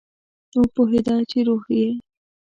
وپوهیده چې روح یې